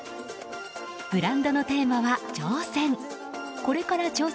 ブランドのテーマは挑戦。